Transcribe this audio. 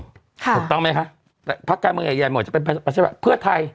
ถูกต้องไหมคะแต่พักการเมืองใหญ่หมดจะเป็นเพื่อไทย